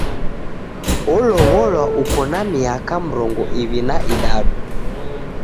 Olow'olwa uko na miaka mrongo iw'i na idadu.